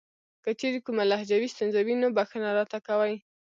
کچېرې کومه لهجوي ستونزه وي نو بښنه راته کوئ .